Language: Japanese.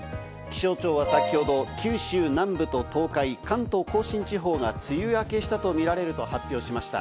気象庁は先ほど、九州南部と東海、関東甲信地方が梅雨明けしたとみられると発表しました。